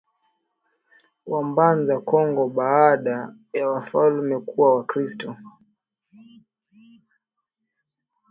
wa Mbanza Kongo Baada ya wafalme kuwa Wakristo